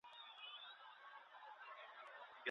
دوکانداران بې انصافه نه دي.